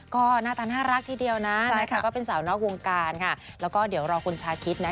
ก็หน้าตาน่ารักทีเดียวนะนะคะก็เป็นสาวนอกวงการค่ะแล้วก็เดี๋ยวรอคุณชาคิดนะ